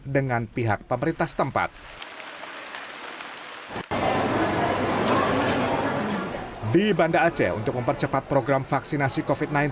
dengan pihak pemerintah setempat di banda aceh untuk mempercepat program vaksinasi covid sembilan belas